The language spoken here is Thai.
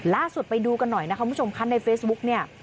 ล่าสุดไปดูกันหน่อยนะคะคุณผู้ชมคะในเฟซบุ๊กเนี่ย